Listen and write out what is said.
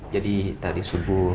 jadi tadi subuh